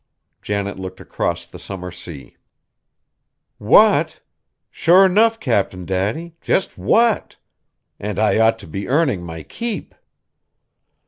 Janet looked across the summer sea. "What? Sure enough, Cap'n Daddy, just what? And I ought to be earning my keep."